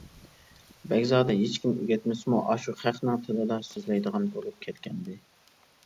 بەگزادە ھېچكىم ئۆگەتمىسىمۇ ئاشۇ خەقنىڭ تىلىدا سۆزلەيدىغان بولۇپ كەتكەنىدى.